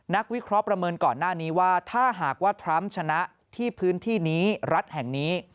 วิเคราะห์ประเมินก่อนหน้านี้ว่าถ้าหากว่าทรัมป์ชนะที่พื้นที่นี้รัฐแห่งนี้